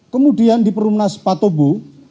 kemudian di perumahan nas patobu